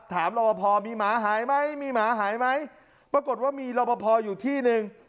รอบพอมีหมาหายไหมมีหมาหายไหมปรากฏว่ามีรอบพออยู่ที่หนึ่ง